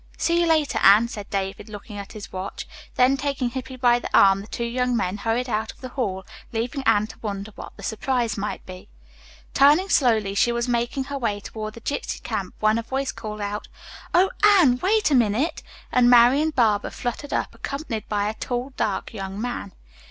"See you later, Anne," said David, looking at his watch. Then taking Hippy by the arm the two young men hurried out of the hall, leaving Anne to wonder what the surprise might be. Turning slowly she was making her way toward the gypsy camp when a voice called, "O Anne, wait a minute," and Marian Barber fluttered up accompanied by a tall, dark young man.